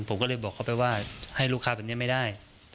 ผมก็เลยบอกเขาไปว่าให้ลูกค้าแบบนี้ไม่ได้